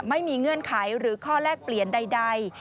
เงื่อนไขหรือข้อแลกเปลี่ยนใด